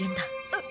あっ。